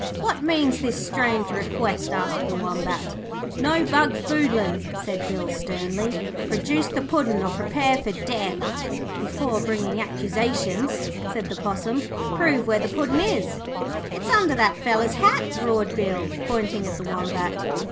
'What means this strange request?' asked the Wombat. 'No bungfoodlin',' said Bill sternly. 'Produce the Puddin' or prepare for death.' 'Before bringing accusations,' said the Possum, 'prove where the Puddin' is.' 'It's under that feller's hat,' roared Bill, pointing at the Wombat.